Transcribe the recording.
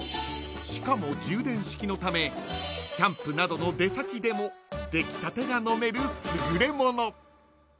［しかも充電式のためキャンプなどの出先でも出来たてが飲める優れもの］